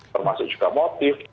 termasuk juga motif